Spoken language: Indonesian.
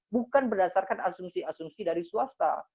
bukan berdasarkan asumsi asumsi dari swasta